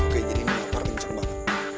oke jadi ini lapar kenceng banget